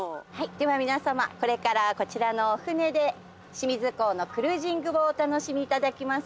では皆様これからこちらのお船で清水港のクルージングをお楽しみ頂きます。